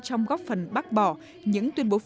trong góp phần bác bỏ những tuyên bố phi lý